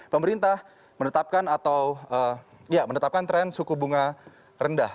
pemerintah menetapkan tren suku bunga rendah